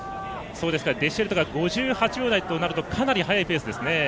デシエルトが５８秒台となるとかなり速いペースですね。